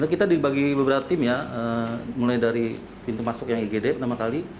kita dibagi beberapa tim ya mulai dari pintu masuk yang igd pertama kali